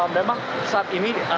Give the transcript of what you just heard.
memang saat ini